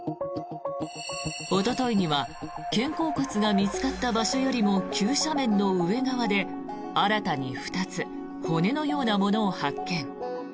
おとといには肩甲骨が見つかった場所よりも急斜面の上側で、新たに２つ骨のようなものを発見。